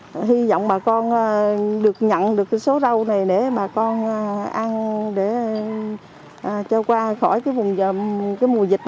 và hy vọng bà con được nhận được số rau này để bà con ăn để cho qua khỏi vùng dịch